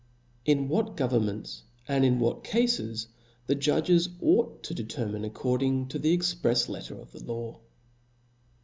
In what Governments and in what Cafes the 'Judges ought to determine according to the . exprefs Letter of the Law.